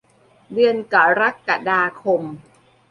เดือนกรกฎาคม